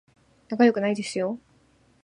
仲良くないですよ